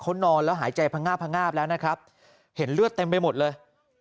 เขานอนแล้วหายใจพังงาบพงาบแล้วนะครับเห็นเลือดเต็มไปหมดเลย